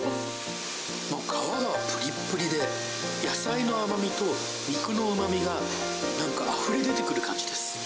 皮がぷりっぷりで、野菜の甘みと肉のうまみが、なんかあふれ出てくる感じです。